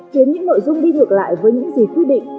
khiến những nội dung đi ngược lại với những gì quy định